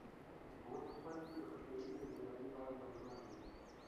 اووم څپرکی د خټګرۍ یا معمارۍ په اړه معلومات لري.